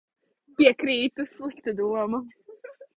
Piekrītu. Slikta doma.